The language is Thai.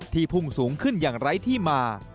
พุ่งสูงขึ้นอย่างไร้ที่มา